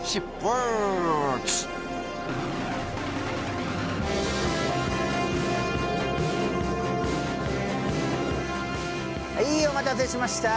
はいお待たせしました！